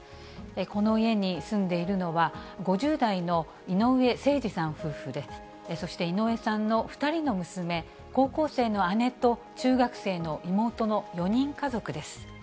この家に住んでいるのは、５０代の井上盛司さん夫婦で、そして井上さんの２人の娘、高校生の姉と中学生の妹の４人家族です。